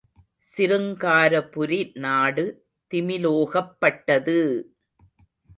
சிருங்காரபுரி நாடு திமிலோகப்பட்டது!